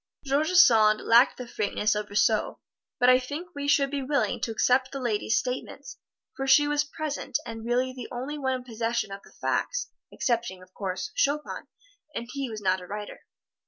George Sand lacked the frankness of Rousseau; but I think we should be willing to accept the lady's statements, for she was present and really the only one in possession of the facts, excepting, of course, Chopin, and he was not a writer.